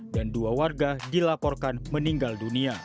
dan dua warga dilaporkan meninggal dunia